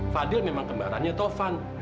fadil memang kembarannya taufan